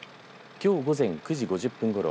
きょう午前９時５０分ごろ